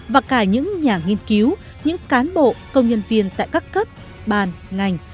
và cả những nhà nghiên cứu những cán bộ công nhân viên tại các cấp bàn ngành